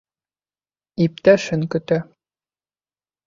Иптәшен көтә.